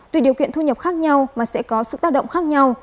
tùy điều kiện thu nhập khác nhau mà sẽ có sự tác động khác nhau